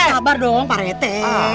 sabar dong pak rete